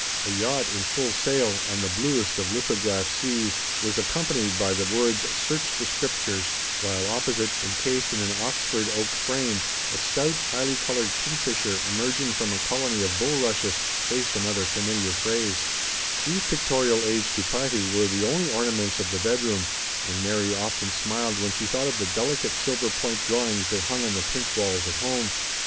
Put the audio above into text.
A yacht in full sail, on the bluest of lithograph seas, was accompanied by the words, " Search the Scriptures," while opposite, encased in an Oxford oak frame, a stout, highly coloured kingfisher, emerging from a colony of bulrushes, faced the text, " Come unto Me, all ye that are heavy laden." These pictorial aids to piety were the only ornaments of the bedroom, and Mary often smiled when she thought of the delicate silver point drawings that hung on the pink walls at home.